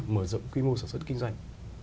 mở rộng quy mô sản xuất kinh doanh